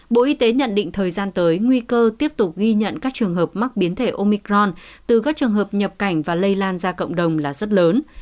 bộ y tế nhận định thời gian tới nguy cơ tiếp tục ghi nhận các trường hợp mắc biến thể omicron từ các trường hợp nhập cảnh và lây lan ra cộng đồng là rất lớn